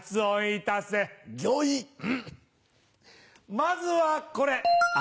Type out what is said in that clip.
まずはこれ。